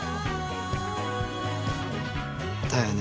だよね？